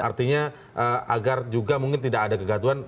maksudnya agar juga mungkin tidak ada kegatuan